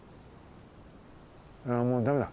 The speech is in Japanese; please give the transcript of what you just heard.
ああもうだめだ。